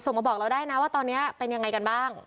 มาบอกเราได้นะว่าตอนนี้เป็นยังไงกันบ้าง